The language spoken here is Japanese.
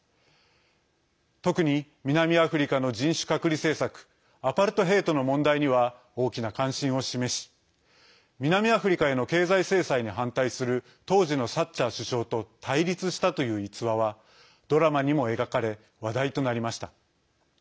特に南アフリカの人種隔離政策＝アパルトヘイトの問題には大きな関心を示し南アフリカへの経済制裁に反対する当時のサッチャー首相と対立したという逸話はドラマにも描かれ話題となりました。